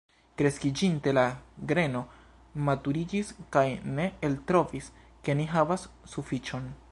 Kreskiĝinte la greno maturiĝis, kaj ni eltrovis, ke ni havas sufiĉon.